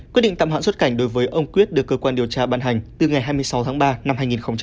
quyết định tạm hoãn xuất cảnh đối với ông quyết được cơ quan điều tra ban hành từ ngày hai mươi sáu tháng ba năm hai nghìn hai mươi